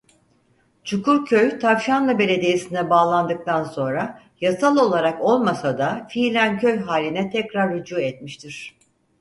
Çukurköy Tavşanlı Belediyesine bağlandıktan sonra yasal olarak olmasa da fiilen köy haline tekrar rücu etmiştir.